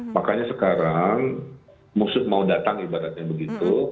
makanya sekarang musuh mau datang ibaratnya begitu